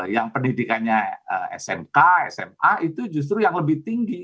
yang pendidikannya smk sma itu justru yang lebih tinggi